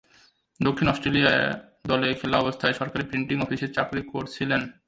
দক্ষিণ অস্ট্রেলিয়া দলে খেলা অবস্থায় সরকারী প্রিন্টিং অফিসে চাকুরী করছিলেন।